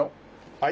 はい。